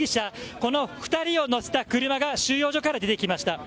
この２人を乗せた車が収容所から出てきました。